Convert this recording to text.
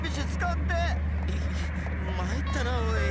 イヒッまいったなおい。